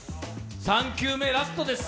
３球目、ラストです。